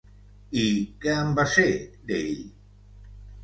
I, què en va ser, d'ell?